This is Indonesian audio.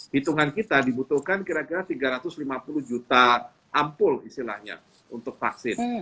hitungan kita dibutuhkan kira kira tiga ratus lima puluh juta ampul istilahnya untuk vaksin